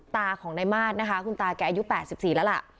ตาของนายมาสนะคะคุณตาแกอายุ๘๔แล้วล่ะ